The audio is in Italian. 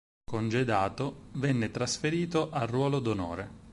Congedato, venne trasferito al Ruolo d'Onore.